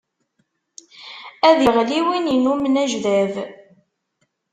Ad iɣli win innumen ajdab.